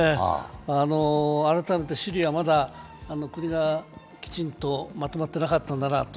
改めてシリア、まだ国がきちんとまとまってなかったんだなと。